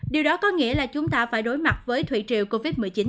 điều đó có nghĩa là chúng ta phải đối mặt với thủy triều covid một mươi chín